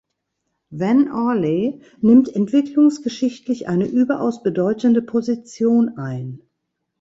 Van Orley nimmt entwicklungsgeschichtlich eine überaus bedeutende Position ein.